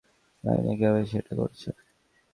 জানিনা কিভাবে সে এটা করছে!